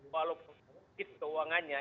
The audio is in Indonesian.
walaupun sedikit keuangannya